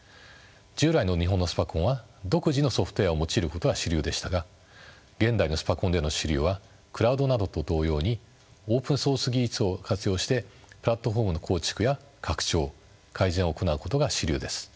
従来の日本のスパコンは独自のソフトウエアを用いることが主流でしたが現代のスパコンでの主流はクラウドなどと同様にオープンソース技術を活用してプラットフォームの構築や拡張・改善を行うことが主流です。